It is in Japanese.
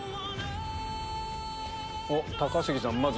高杉さん